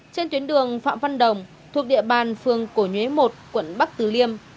trên tuyến đường phạm văn đồng thuộc địa bàn phường cổ nhuế một quận bắc từ liêm